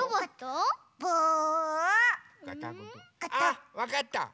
あっわかった！